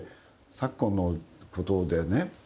昨今のことでね